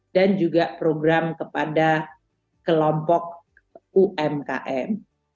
dan juga program kepada kelompok umkm